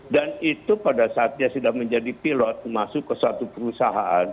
dan itu pada saat dia sudah menjadi pilot masuk ke suatu perusahaan